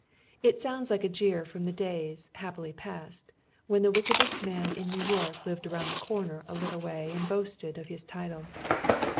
It sounds like a jeer from the days, happily past, when the " wickedest man in Kew York" lived around the corner a little way and hoasted of his title.